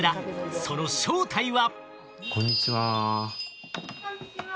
その正体は。